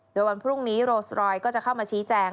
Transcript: โดยวันพรุ่งนี้โรสรอยก็จะเข้ามาชี้แจง